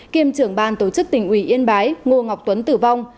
kiêm trưởng ban tổ chức tỉnh ủy yên bái ngô ngọc tuấn tử vong